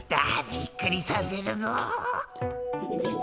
びっくりさせるぞ。